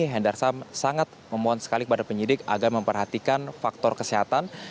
hendarsam sangat memohon sekali kepada penyidik agar memperhatikan faktor kesehatan